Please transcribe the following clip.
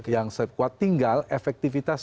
yang kuat tinggal efektivitas